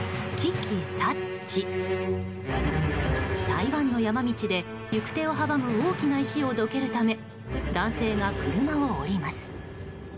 台湾の山道で、行く手を阻む大きな石をどけるため男性が車を降ります。